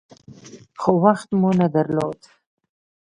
خو وخت مو نه درلود .